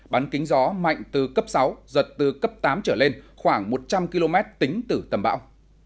bán kính gió mạnh từ cấp sáu giật từ cấp tám trở lên khoảng một trăm linh km tính từ tâm bão